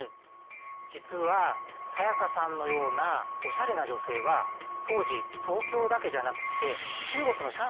実は才加さんのようなおしゃれな女性は当時東京だけじゃなくて中国の上海にもいたんですよ。